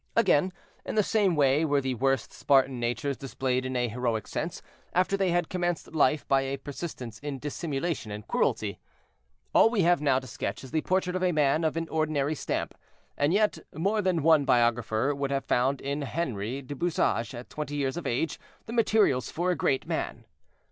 Again, in the same way were the worst Spartan natures displayed in a heroic sense, after they had commenced life by a persistence in dissimulation and cruelty. All we have now to sketch is the portrait of a man of an ordinary stamp; and yet, more than one biographer would have found in Henri du Bouchage, at twenty years of age, the materials for a great man.